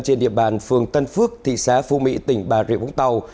trên địa bàn phường tân phước thị xã phu mỹ tỉnh bà rịa vũng tàu